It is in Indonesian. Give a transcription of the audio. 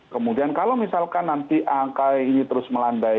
kemudian kalau misalkan nanti angka ini terus melandai